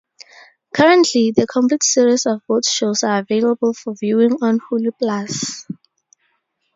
Currently, the Complete Series of both shows are available for viewing on Hulu Plus.